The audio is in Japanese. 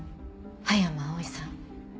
葉山葵さん。